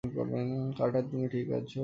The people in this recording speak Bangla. কার্টার, তুমি ঠিক আছো?